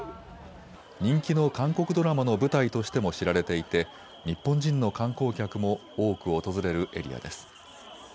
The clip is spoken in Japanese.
人気の韓国ドラマの舞台としても知られていて日本人の観光客も多く訪れるエリアです。